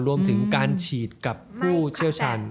รวมถึงการฉีดกับผู้เชี่ยวชาญ